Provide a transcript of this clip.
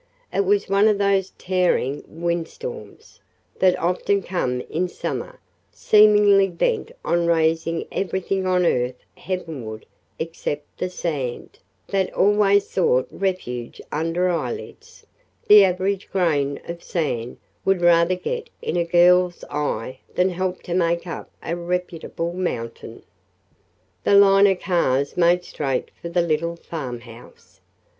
It was one of those tearing windstorms, that often come in summer, seemingly bent on raising everything on earth heavenward except the sand that always sought refuge under eyelids the average grain of sand would rather get in a girl's eye than help to make up a reputable mountain. The line of cars made straight for the little farmhouse.